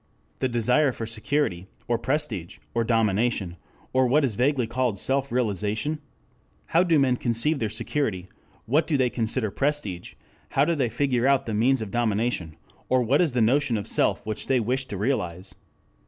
The desire for security, or prestige, or domination, or what is vaguely called self realization? How do men conceive their security, what do they consider prestige, how do they figure out the means of domination, or what is the notion of self which they wish to realize?